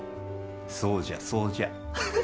そうじゃそうじゃ。